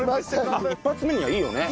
一発目にはいいよね。